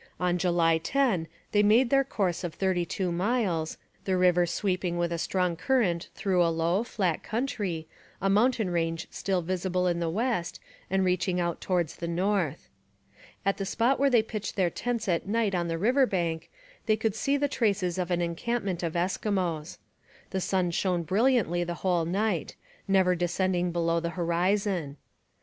On July 10, they made a course of thirty two miles, the river sweeping with a strong current through a low, flat country, a mountain range still visible in the west and reaching out towards the north. At the spot where they pitched their tents at night on the river bank they could see the traces of an encampment of Eskimos. The sun shone brilliantly the whole night, never descending below the horizon.